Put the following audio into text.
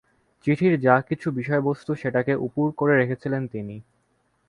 চিঠির যা কিছু বিষয়বস্তু সেটাকে উপুড় করে রেখেছিলেন তিনি।